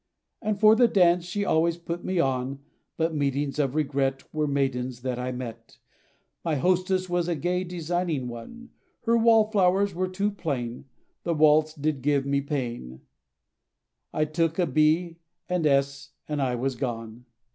And for the dance she always put me on, But meetings of regret, Were maidens that I met, My hostess was a gay designing one, Her wallflowers were too plain, The waltz did give me pain, I took a B. and S. and I was gone!